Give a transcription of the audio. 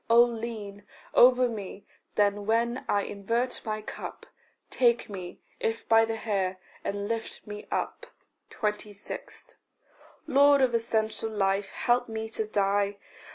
Oh lean Over me then when I invert my cup; Take me, if by the hair, and lift me up. 26. Lord of essential life, help me to die.